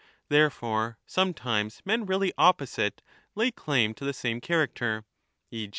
There fore, sometimes men really opposite lay claim to the same character, e.